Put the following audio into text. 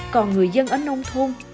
còn người dân ở nông thôn